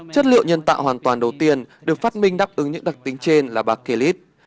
chất liệu nhân tạo hoàn toàn đầu tiên được phát minh đáp ứng những đặc tính trên là bạc kỳ lít